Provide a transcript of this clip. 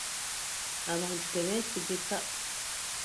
Abantu tebeesigika.